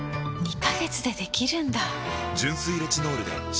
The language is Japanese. ２カ月でできるんだ！